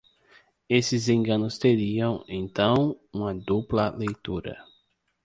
Esses enganos teriam, então, uma dupla leitura.